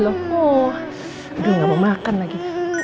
aduh ga mau makan lagi